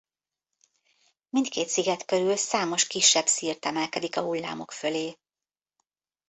Mindkét sziget körül számos kisebb szirt emelkedik a hullámok fölé.